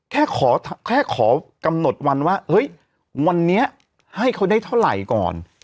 แค่ขอแค่ขอกำหนดวันว่าเฮ้ยวันนี้ให้เขาได้เท่าไหร่ก่อน